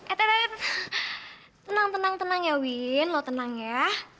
eteh tenang tenang ya win lo tenang ya